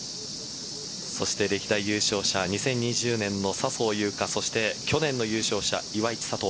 そして歴代優勝者２０２０年の笹生優花そして去年の優勝者・岩井千怜。